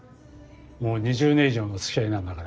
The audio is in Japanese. もう２０年以上の付き合いなんだから。